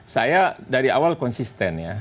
saya dari awal konsisten ya